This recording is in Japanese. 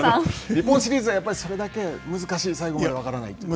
日本シリーズはそれだけ難しい、最後まで分からないという。